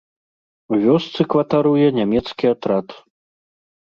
У вёсцы кватаруе нямецкі атрад.